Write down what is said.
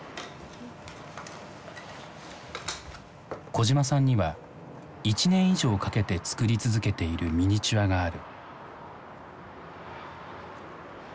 小島さんには１年以上かけて作り続けているミニチュアがある。